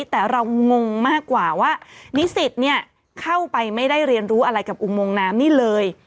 แต่เรางงมากกว่าว่านิสิตเข้าไปไม่ได้เรียนรู้อะไรกับอุโมงน้ำนี่เลย